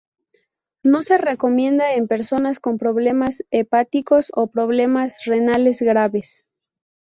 No se recomienda en personas con problemas hepáticos o problemas renales graves.